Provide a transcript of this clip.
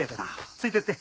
ついてって。